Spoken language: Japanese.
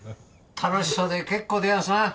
楽しそうで結構でやんすなあ。